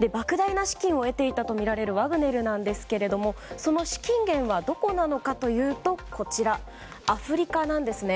莫大な資金を得ていたとみられるワグネルなんですがその資金源はどこなのかというとアフリカなんですね。